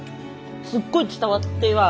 すっごい伝わっては。